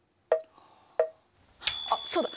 あっそうだ！